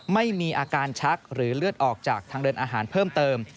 ไม่มีอาการชักหรือเลือดออกจากทางเดินอาหารเพิ่มเติม